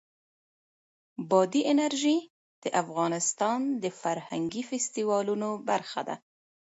بادي انرژي د افغانستان د فرهنګي فستیوالونو برخه ده.